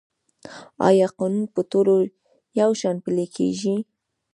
آیا قانون په ټولو یو شان پلی کیږي؟